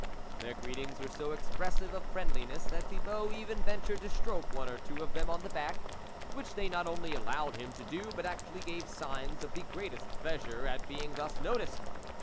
Their greetings were so expres sive of friendliness, that Thibault even ventured to stroke one or two of them on the back, which they not only allowed him to do, but actually gave signs of the greatest pleasure at being thus noticed.